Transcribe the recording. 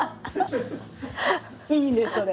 いいねそれ。